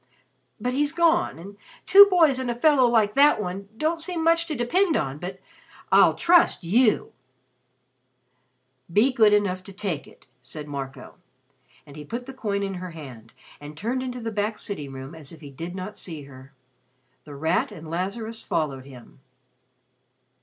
But he's gone; and two boys and a fellow like that one don't seem much to depend on. But I'll trust you." "Be good enough to take it," said Marco. And he put the coin in her hand and turned into the back sitting room as if he did not see her. The Rat and Lazarus followed him.